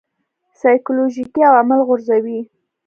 سایکولوژیکي عوامل غورځوي.